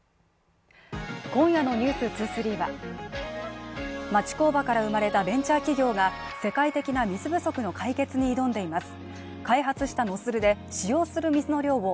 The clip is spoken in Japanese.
今夜の「ｎｅｗｓ２３」は町工場から生まれたベンチャー企業が世界的な水不足の解決に挑んでいます。